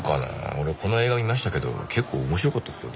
俺この映画見ましたけど結構面白かったっすよ。